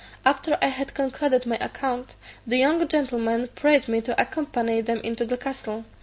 After I had concluded my account, the young gentlemen prayed me to accompany them into the castle.